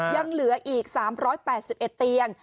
ยังเหลืออีก๓๘๑เตียง